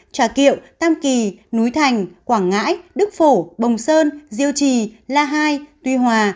trà kiệu tam kỳ núi thành quảng ngãi đức phổ bồng sơn diêu trì la hai tuy hòa